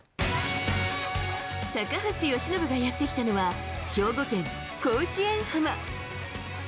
高橋由伸がやってきたのは兵庫県甲子園浜。